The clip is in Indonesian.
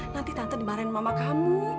nanti tante dimarahin mama kamu